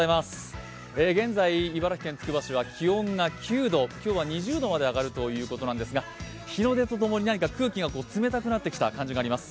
現在、茨城県つくば市は気温が９度今日は２０度まで上がるということなんですが、日の出とともに、空気が冷たくなってきた感じがあります。